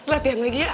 latihan lagi ya